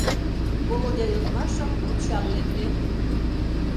Володя йодмашым ончал лекте.